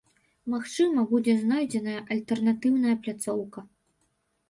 Магчыма, будзе знойдзеная альтэрнатыўная пляцоўка.